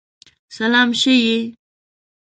سلام شه یی!